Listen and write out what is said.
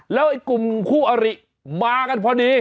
แล้วไอ้กลุ่มคู่อริมากันพอดี